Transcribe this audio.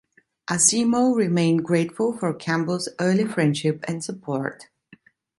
Asimov remained grateful for Campbell's early friendship and support.